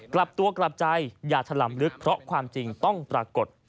กลับตัวกลับใจอย่าถล่ำลึกเพราะความจริงต้องปรากฏ